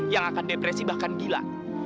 yang akan depresi bahkan gila